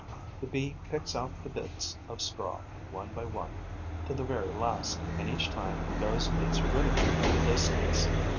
The Bee picks out the bits of straw, one by one, to the very last, and each time goes and gets rid of them at a distance.